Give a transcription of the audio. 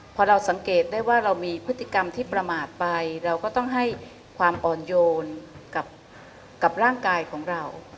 พอเราสังเกตได้ว่าเรามีพฤติกรรมที่ประมาทไปเราก็ต้องให้ความอ่อนโยนกับร่างกายของเรา